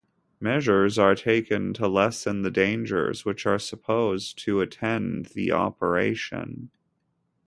Measures are taken to lessen the dangers which are supposed to attend the operation.